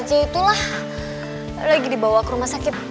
ya udah kita ke rumah